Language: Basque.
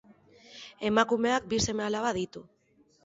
Emakumeak bi seme-alaba ditu.